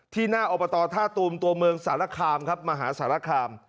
หน้าอบตท่าตูมตัวเมืองสารคามครับมหาสารคาม